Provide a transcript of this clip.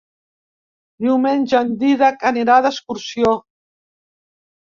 Diumenge en Dídac anirà d'excursió.